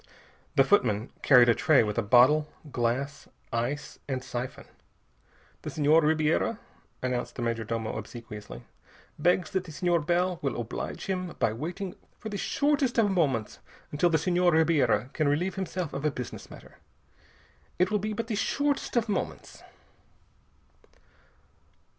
The footman carried a tray with a bottle, glass, ice, and siphon. "The Senhor Ribiera," announced the major domo obsequiously, "begs that the Senhor Bell will oblige him by waiting for the shortest of moments until the Senhor Ribiera can relieve himself of a business matter. It will be but the shortest of moments."